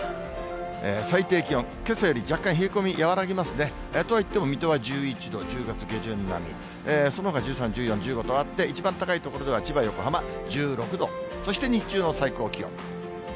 最低気温、けさより若干冷え込み、和らぎますね。とはいっても水戸は１１度、１０月下旬並み、そのほか１３、１４、１５度とあって、一番高い所では千葉、横浜１６度、そして日中の最高気温。